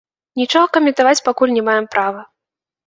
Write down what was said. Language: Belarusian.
Нічога каментаваць пакуль не маем права.